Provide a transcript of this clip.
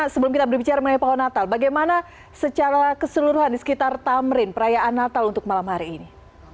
sebelum kita berbicara mengenai pohon natal bagaimana secara keseluruhan di sekitar tamrin perayaan natal untuk malam hari ini